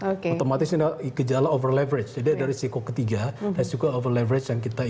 otomatis ini gejala over leverage jadi ada risiko ketiga resiko over leverage yang kita ingin